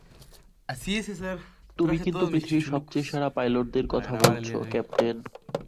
তুমি কিন্তু পৃথিবীর সবচেয়ে সেরা পাইলটদের কথা বলছো, ক্যাপ্টেন।